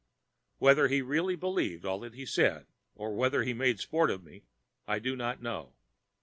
Whether he really believed all he said or whether he made sport of me I do not know.